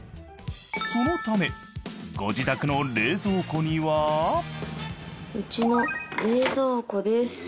そのためご自宅の冷蔵庫にはうちの冷蔵庫です。